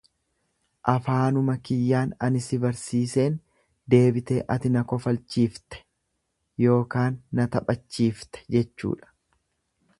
Afaanuma kiyyaan ani si barsiseen deebitee ati na kofalchiifte ykn na taphachiifte jechuudha.